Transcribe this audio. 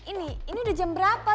ini ini udah jam berapa